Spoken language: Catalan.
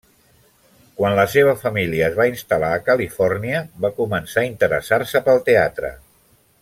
Quan la seva família es va instal·lar a Califòrnia, va començar a interessar-se pel teatre.